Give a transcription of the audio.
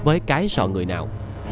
với cái sọ người nào